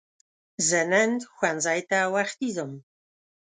زه نن ښوونځی ته وختی ځم